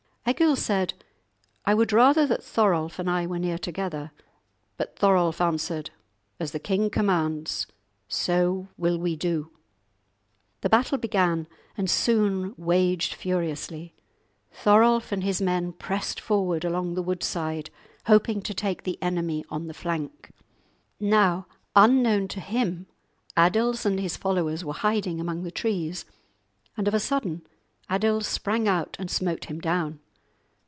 Egil said, "I would rather that Thorolf and I were near together"; but Thorolf answered, "As the king commands, so will we do." The battle began, and soon waged furiously. Thorolf and his men pressed forward along the woodside, hoping to take the enemy on the flank. Now, unknown to him, Adils and his followers were hiding among the trees, and of a sudden Adils sprang out and smote him down.